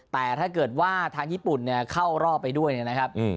แต่ถ้าเกิดว่าทางญี่ปุ่นเข้ารอบไปด้วยนะครับ